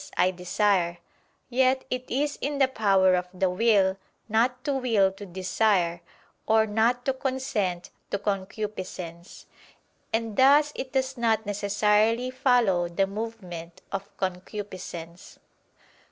I desire"; yet it is in the power of the will not to will to desire or not to consent to concupiscence. And thus it does not necessarily follow the movement of concupiscence.